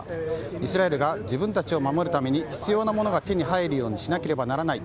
イスラエルが自分たちを守るために必要なものが手に入るようにしなければならない。